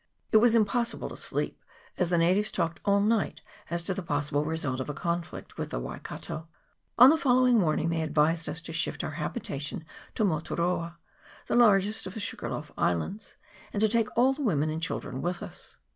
It was impossible to sleep, as the natives talked all night as to the possible result of a conflict with the Waikato. On the following morning they advised us to shift our habitation to Motu roa, the largest of the Sugarloaf Islands, and to take all the women and children with us.